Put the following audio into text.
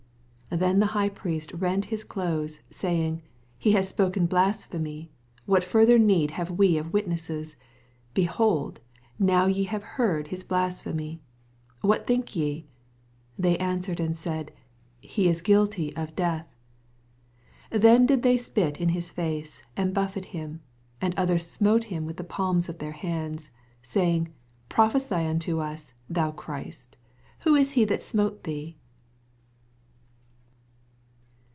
65 Then the High Priest rent his clothes, saying, He hath spoken bias* phemy ; what further need have we of witnesses ? behold, now ye have heard his blasphemy. 66 Whatthmkye? They answered and said, He is guilty of death. 67 Then did they spit in his face, and bufi'eted him ; and others smote him with the palms of their hands, 68 Saying, Prophesy unto us, thou Christ, Who is he that smote thee